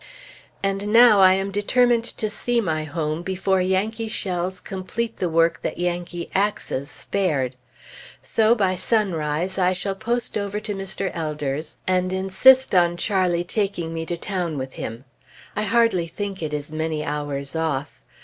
And now, I am determined to see my home, before Yankee shells complete the work that Yankee axes spared. So by sunrise, I shall post over to Mr. Elder's, and insist on Charlie taking me to town with him. I hardly think it is many hours off.